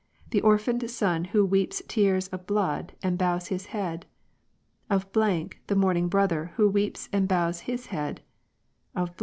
the orphaned son who weeps tears of blood and bows his head : of .... the mourning brother who weeps and bows his head : of ....